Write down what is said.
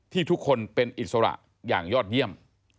ทุกคนเป็นอิสระอย่างยอดเยี่ยม